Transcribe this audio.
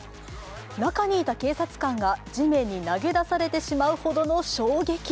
中にいた警察官が地面に投げ出されてしまうほどの衝撃。